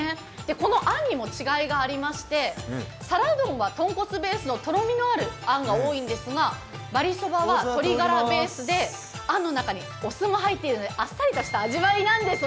このあんにも違いがありまして、皿うどんは豚骨ベースのとろみのあるあんが多いんですが、ばりそばは鶏ガラベースで、あんの中にお酢も入っているのであっさりした味わいなんです。